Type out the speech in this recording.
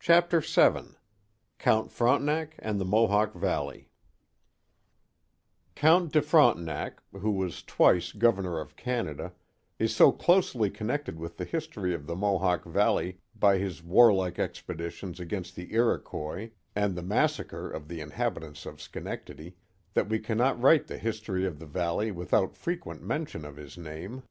Chapter VII Count Frontenac and the Mohawk Valley COUNT DE FRONTENAC, who was twice Governor of Canada, is so closely connected with the history of the Mohawk Valley by his warlike expeditions against the Iroquois and the massacre of the inhabi tants of Schenectady, that we cannot write the history of the valley without frequent mention of his name.